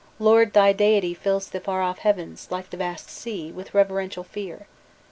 Lord, thy deity fills the far off heavens, like the vast sea, with reverential fear!